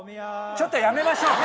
ちょっとやめましょうか。